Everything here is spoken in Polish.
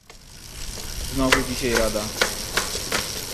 "Znowu dzisiaj rada."